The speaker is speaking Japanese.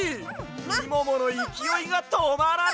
みもものいきおいがとまらない！